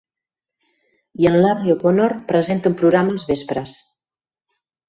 I en Larry O'Connor presenta un programa els vespres.